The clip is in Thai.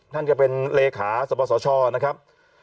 ท่านจะเป็นเลขาสปสชนะครับ